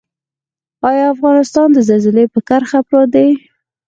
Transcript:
آیا افغانستان د زلزلې په کرښه پروت دی؟